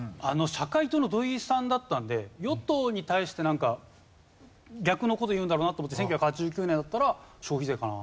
社会党の土井さんだったんで与党に対してなんか逆の事を言うんだろうなと思って１９８９年だったら消費税かな。